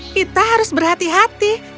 kita harus berhati hati